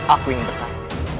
aku ingin bertahun